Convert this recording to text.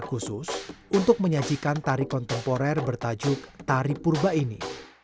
khusus untuk menyajikan tari kontemporer bertajuk tari purba ini